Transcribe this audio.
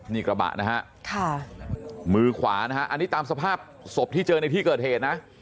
นี่กระบะนะฮะมือขวานะฮะอันนี้ตามสภาพศพที่เจอในที่เกิดเหตุนะ